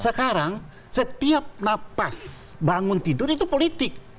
sekarang setiap nafas bangun tidur itu politik